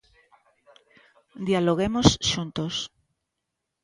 Dialoguemos xuntos.